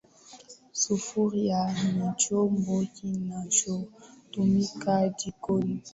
Sufuria ni chombo kinachotumika jikoni.